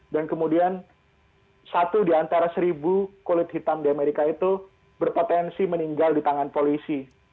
dan kemudian satu di antara seribu kulit hitam di amerika itu berpotensi meninggal di tangan polisi